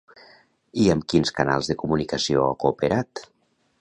I amb quins canals de comunicació ha cooperat?